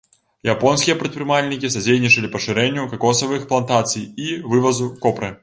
Японскія прадпрымальнікі садзейнічалі пашырэнню какосавых плантацый і вывазу копры.